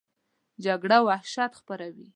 جګړه وحشت خپروي